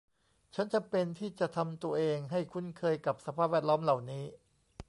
ฉันจำเป็นที่จะทำตัวเองให้คุ้นเคยกับสภาพแวดล้อมเหล่านี้